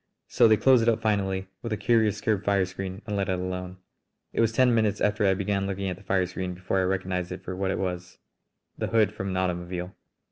So they closed it up finally with a curious curved fire screen and let it alone. It was ten minutes after I began looking at the fire screen before I recognised it for what it was the hood from an automobile!